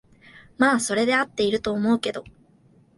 まあそれで合ってると思うけど